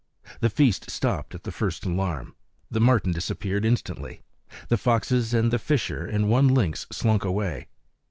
The feast stopped at the first alarm. The marten disappeared instantly. The foxes and the fisher and one lynx slunk away.